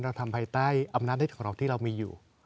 เราทำภายใต้อำนาจนิดของเราที่เรามีอยู่